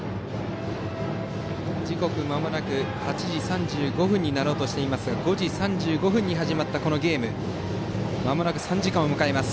時刻はまもなく８時３５分ですが５時３５分に始まったゲームはまもなく３時間を迎えます。